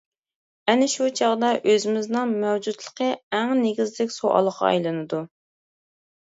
ئەنە شۇ چاغدا، ئۆزىمىزنىڭ مەۋجۇتلۇقى ئەڭ نېگىزلىك سوئالغا ئايلىنىدۇ.